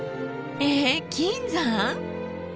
え金山？